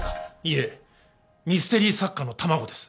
いえミステリー作家の卵です。